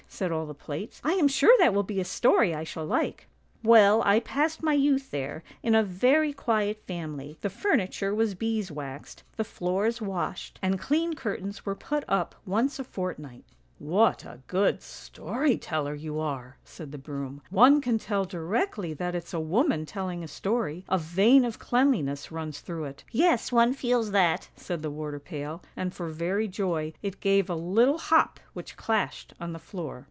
said all the plates; ' I am sure that will be a story I shall like !'"' Well, I passed my youth there, in a very quiet family; the furniture was bees waxed, the floors washed, and clean curtains were put up once a fortnight !'"' What a good story teller you are,' said the broom; ' one can tell directly that it's a woman telling a story, a vein of cleanliness runs through it! '"' Yes, one feels that,' said the water pail, and for very joy it gave a little hop which clashed on the floor.